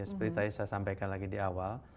seperti tadi saya sampaikan lagi di awal